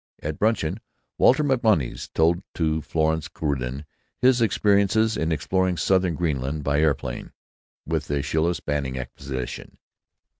At bruncheon Walter MacMonnies told to Florence Crewden his experiences in exploring Southern Greenland by aeroplane with the Schliess Banning expedition.